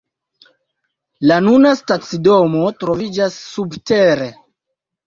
La nuna stacidomo troviĝas subtere.